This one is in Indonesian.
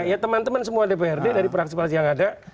iya teman teman semua dprd dari peraksi peraksi yang ada